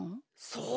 そう。